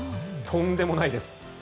とんでもないです。